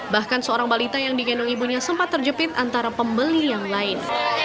bahkan seorang balita yang digendong ibunya sempat terjepit antara pembeli yang lain